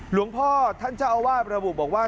หลวงพ่อท่านเจ้าอาวาสระบุบอกว่า